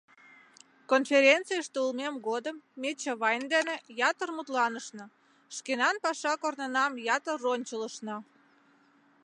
Конференцийыште улмем годым ме Чавайн дене ятыр мутланышна, шкенан паша корнынам ятыр рончылышна.